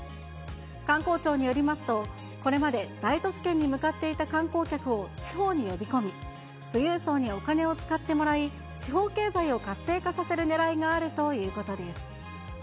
観光庁によりますと、これまで大都市圏に向かっていた観光客を地方に呼び込み、富裕層にお金を使ってもらい、地方経済を活性化させるねらいがあるということです。